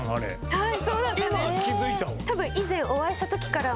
はい。